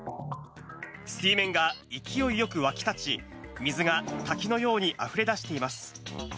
水面が勢いよく沸き立ち、水が滝のようにあふれ出しています。